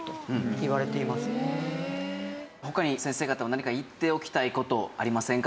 他に先生方も何か言っておきたい事ありませんか？